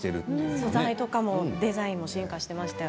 素材やデザインも進化していました。